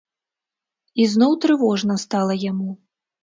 І зноў трывожна стала яму.